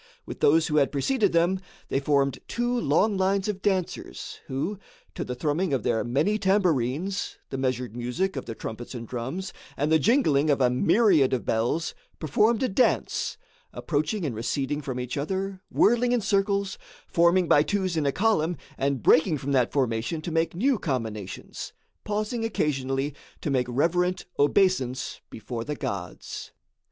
With those who had preceded them, they formed two long lines of dancers, who to the thrumming of their many tambourines, the measured music of the trumpets and drums, and the jingling of a myriad of bells, performed a dance, approaching and receding from each other, whirling in circles, forming by twos in a column and breaking from that formation to make new combinations, pausing occasionally to make reverent obeisance before the gods.